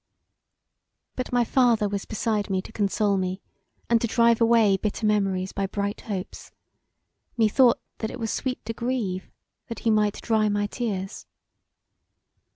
But my father was beside me to console me and to drive away bitter memories by bright hopes: methought that it was sweet to grieve that he might dry my tears.